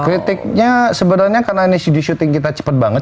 kritiknya sebenarnya karena ini shooting kita cepet banget